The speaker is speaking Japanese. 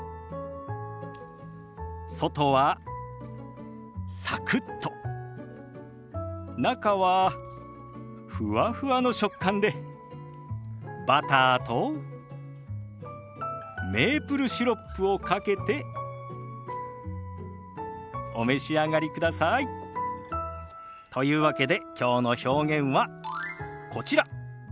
外はサクッと中はふわふわの食感でバターとメープルシロップをかけてお召し上がりください。というわけできょうの表現はこちら。